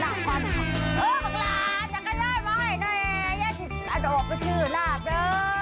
เออบังลาจักรยายมาให้หน่อยแย่ดาวไปชื้อราบเด้อ